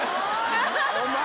お前！